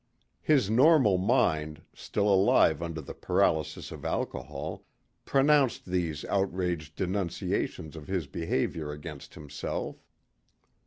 His normal mind, still alive under the paralysis of alcohol, pronounced these outraged denunciations of his behavior against himself.